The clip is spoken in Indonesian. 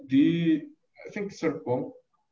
di i think serpong